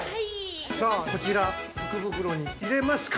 ◆こちら福袋に入れますか？